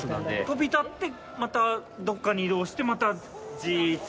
飛び立ってまたどっかに移動してまたじーっと止まる？